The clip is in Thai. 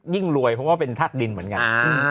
ยิ่งรวยเพราะว่าเป็นธาตุดินเหมือนกัน